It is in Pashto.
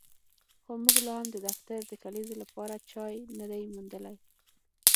خو موږ لاهم د دفتر د کلیزې لپاره ځای نه دی موندلی